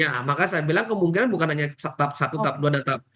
ya makanya saya bilang kemungkinan bukan hanya tahap satu tahap dua dan tahap tiga